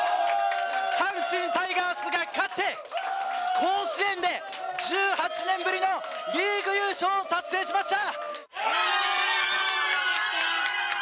阪神タイガースが勝って甲子園で１８年ぶりのリーグ優勝を達成しました！